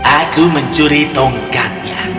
aku mencuri tongkatnya